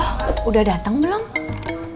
iya deh percaya percaya